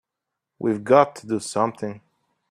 We've got to do something!